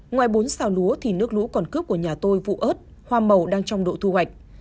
ngoài bốn xào lúa thì nước lũ còn cướp của nhà tôi vụ ớt hoa màu đang trong độ thu hoạch